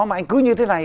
mà anh cứ như thế này